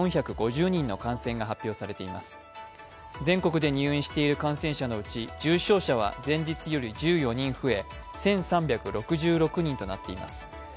全国で入院している感染者のうち重症者は前日より１４人増え１３６６人となっています。